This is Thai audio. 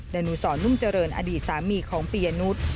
ดานุสรนุ่มเจริญอดีตสามีของปียนุษย์